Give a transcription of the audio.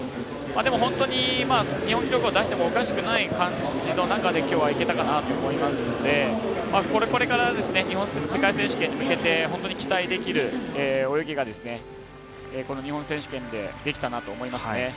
でも、本当に日本記録を出してもおかしくない感じの中で今日は、いけたかなと思いますのでこれから世界選手権に向けて本当に期待できる泳ぎがこの日本選手権でできたなと思いますね。